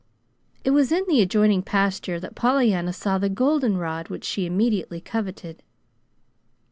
It was in the adjoining pasture that Pollyanna saw the goldenrod which she immediately coveted.